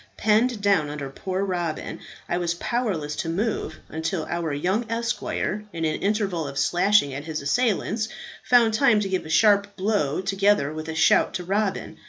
Penned down under poor Robin, I was powerless to move until our young esquire, in an interval of slashing at his assailants, found time to give a sharp blow together with a shout to Robin.